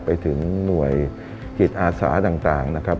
ไปถึงหน่วยจิตอาสาต่างนะครับ